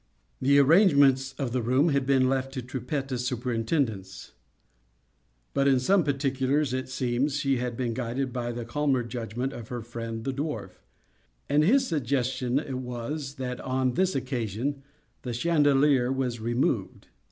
The arrangements of the room had been left to Trippetta's superintendence; but, in some particulars, it seems, she had been guided by the calmer judgment of her friend the dwarf. At his suggestion it was that, on this occasion, the chandelier was removed.